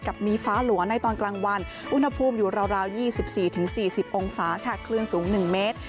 มีฟ้าหลัวในตอนกลางวันอุณหภูมิอยู่ราว๒๔๔๐องศาค่ะคลื่นสูง๑เมตร